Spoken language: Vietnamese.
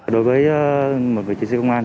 đối với mấy người chiến sĩ công an